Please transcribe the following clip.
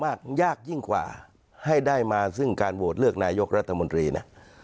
ยากยากยิ่งกว่าให้ได้มาซึ่งการโหวตเลือกนายกรัฐมนตรีนะ